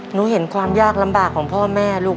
เห็นความยากลำบากของพ่อแม่ลูก